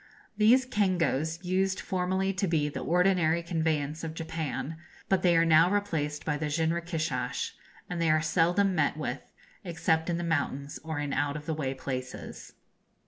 These cangoes used formerly to be the ordinary conveyance of Japan, but they are now replaced by the jinrikishas, and they are seldom met with, except in the mountains or in out of the way places.